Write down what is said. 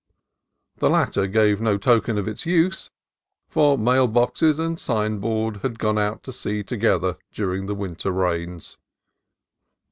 The latter gave no token of its use, for mail boxes and sign board had gone out to sea together during the winter rains.